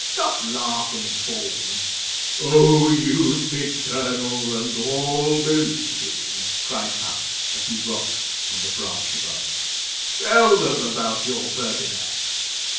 Stop laughing, Faun!' 'Oh, Youth Eternal and All believing,' cried Puck, as he rocked on the branch above. 'Tell them about your Pertinax.'